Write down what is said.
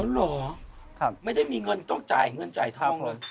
เหรอไม่ได้มีเงินต้องจ่ายเงินจ่ายทองเหรอ